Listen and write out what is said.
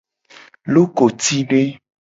Lokotide.